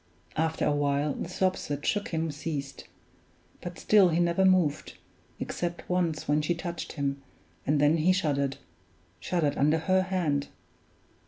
After a while the sobs that shook him ceased; but still he never moved, except once when she touched him, and then he shuddered shuddered under her hand!